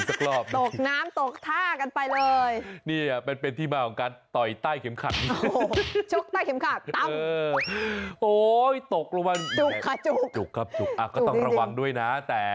กูต่อสู้เพียงพร้ำแล้วทำไง